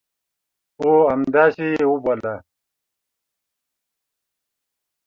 هو، همداسي یې وبوله